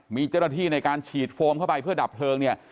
มีเจ้าหน้าที่ในการฉีดโฟมเข้าไปเพื่อดับเพลิงเนี่ย